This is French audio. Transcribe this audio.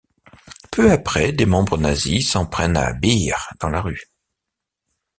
Peu après, des membres nazis s'en prennent à Beer dans la rue.